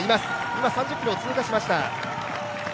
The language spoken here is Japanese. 今３０ｋｍを通過しました。